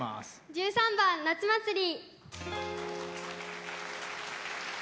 １３番「夏祭り」。